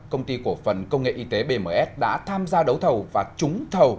công ty cổ phần công nghệ y tế bms đã tham gia đấu thầu và trúng thầu